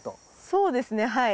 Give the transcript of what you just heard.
そうですね、はい。